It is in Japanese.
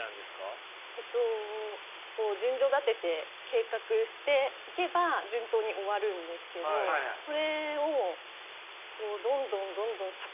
えっと順序立てて計画していけば順当に終わるんですけどそれをどんどんどんどん先延ばしにしちゃって。